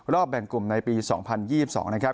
แบ่งกลุ่มในปี๒๐๒๒นะครับ